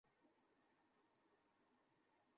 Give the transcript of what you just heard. আমি তো একজন ডাক্তার, এরপরও আমি ভগবান কে বিশ্বাস করি।